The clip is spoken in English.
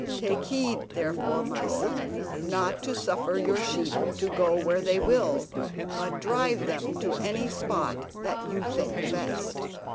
Take heed, therefore, my son, not to suffer your sheep to go where they will, but drive them to any spot that you think best."